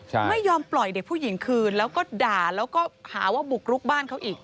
ใช่ไม่ยอมปล่อยเด็กผู้หญิงคืนแล้วก็ด่าแล้วก็หาว่าบุกรุกบ้านเขาอีก